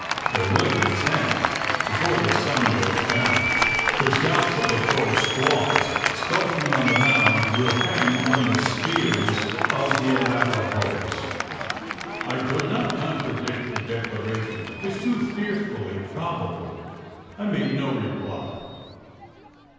There will be ten. Before the sun goes down, the scalps of the four squaws skulking on the mound will hang from the spears of the Arapahoes!" I could not contradict the declaration: it was too fearfully probable. I made no reply.